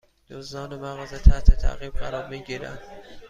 دزدان مغازه تحت تعقیب قرار می گیرند